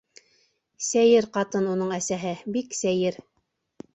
Сәйер ҡатын уның әсәһе, бик сәйер.